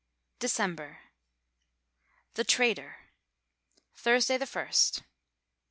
DECEMBER THE TRADER Thursday, ist.